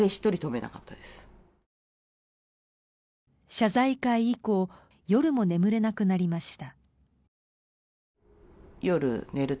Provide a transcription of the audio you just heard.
謝罪会以降夜も眠れなくなりました。